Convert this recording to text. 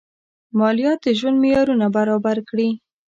مالیات د ژوند معیارونه برابر کړي.